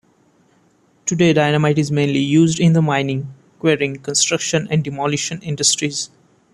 Today dynamite is mainly used in the mining, quarrying, construction, and demolition industries.